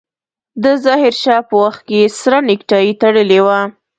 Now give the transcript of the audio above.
د ظاهر شاه په وخت کې يې سره نيکټايي تړلې وه.